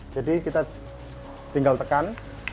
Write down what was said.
jadi kita tinggal tekan